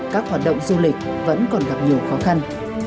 các hoạt động du lịch vẫn còn gặp nhiều khó khăn